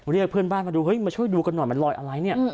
เรียกเพื่อนบ้านมาดูเฮ้ยมาช่วยดูกันหน่อยมันลอยอะไรเนี่ย